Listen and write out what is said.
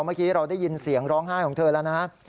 เมื่อกี้เราได้ยินเสียงร้องไห้ของเธอแล้วนะฮะ